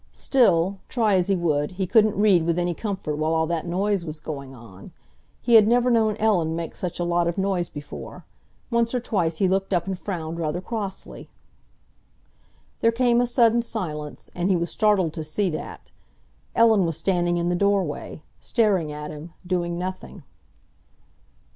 Still, try as he would, he couldn't read with any comfort while all that noise was going on. He had never known Ellen make such a lot of noise before. Once or twice he looked up and frowned rather crossly. There came a sudden silence, and he was startled to see that Ellen was standing in the doorway, staring at him, doing nothing.